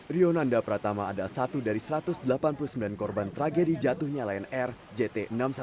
rio nanda pratama adalah satu dari satu ratus delapan puluh sembilan korban tragedi jatuhnya lion air jt enam ratus sepuluh